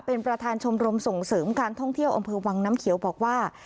เป็นประธานชมรมส่งเสริมการท่องเที่ยวอำเภอวังน้ำเขียวบอกว่า